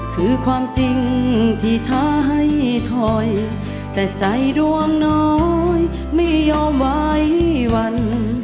คือความจริงที่ท้าให้ถอยแต่ใจดวงน้อยไม่ยอมไว้วัน